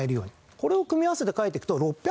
これを組み合わせて書いていくと。